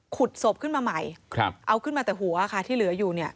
ขุดสบขึ้นมาใหม่เอาขึ้นมาแต่หัวที่เหลืออยู่